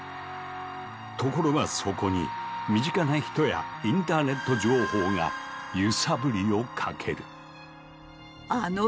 ところがそこに身近な人やインターネット情報が揺さぶりをかける。